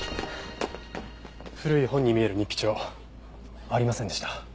古い本に見える日記帳ありませんでした。